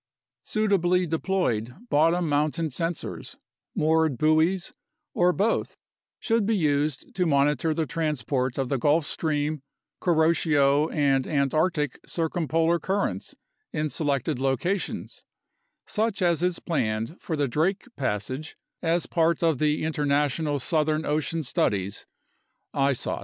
Suitably deployed bottom mounted sensors, moored buoys, or both should be used to monitor the transport of the Gulf Stream, Kuroshio, and Antarctic circumpolar currents in selected locations, such as is planned for the Drake Passage as part of the Inter national Southern Ocean Studies (isos).